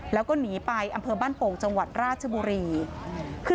โชว์บ้านในพื้นที่เขารู้สึกยังไงกับเรื่องที่เกิดขึ้น